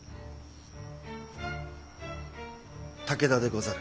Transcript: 武田でござる。